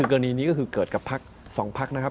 กรณีนี้ก็คือเกิดกับภักดิ์สองภักดิ์นะครับ